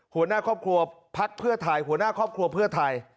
หัวหน้าครอบครัวพักเพื่อไทยหัวหน้าครอบครัวเพื่อไทย